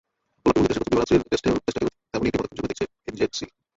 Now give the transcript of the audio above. গোলাপি বলে ইতিহাসের প্রথম দিবারাত্রির টেস্টটাকেও তেমনই একটি পদক্ষেপ হিসেবে দেখছে এনজেডসি।